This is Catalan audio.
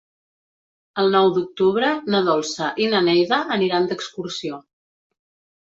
El nou d'octubre na Dolça i na Neida aniran d'excursió.